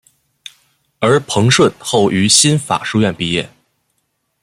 而彭顺后于新法书院毕业。